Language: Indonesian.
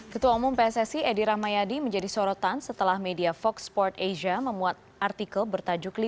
ketua umum pssi edi rahmayadi menjadi sorotan setelah media foxport asia memuat artikel bertajuk lima